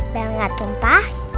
biar gak tumpah